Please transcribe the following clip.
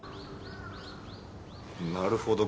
なるほど。